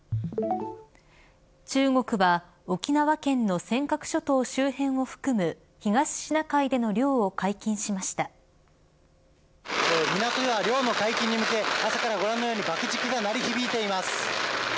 中国は沖縄県の尖閣諸島周辺を含む港では漁の解禁に向け朝からご覧のように爆竹が鳴り響いています。